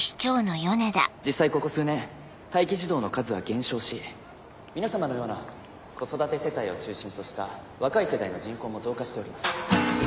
実際ここ数年待機児童の数は減少し皆さまのような子育て世帯を中心とした若い世代の人口も増加しております。